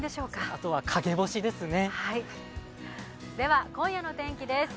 あとは陰干しですね。